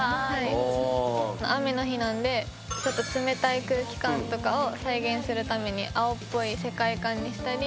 雨の日なんでちょっと冷たい空気感とかを再現するために青っぽい世界観にしたり。